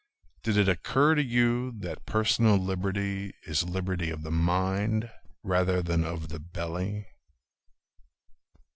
Did it occur to you that personal liberty Is liberty of the mind, Rather than of the belly?